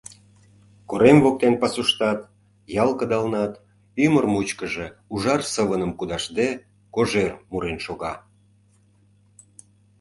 Корем воктен пасуштат, ял кыдалнат ӱмыр мучкыжо ужар сывыным кудашде кожер мурен шога.